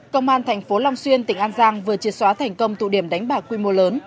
công an thành phố long xuyên tỉnh an giang vừa triệt xóa thành công tụ điểm đánh bạc quy mô lớn